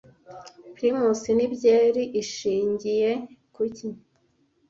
primus ni byeri ishingiye kuki